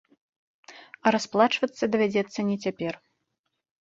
А расплачвацца давядзецца не цяпер.